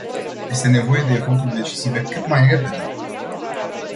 Este nevoie de eforturi decisive, cât mai repede.